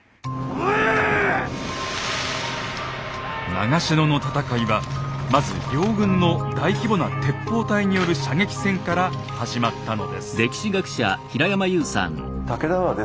長篠の戦いはまず両軍の大規模な鉄砲隊による射撃戦から始まったのです。